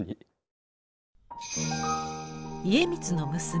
家光の娘